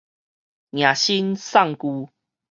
迎新送舊